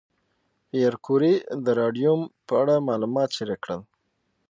پېیر کوري د راډیوم په اړه معلومات شریک کړل.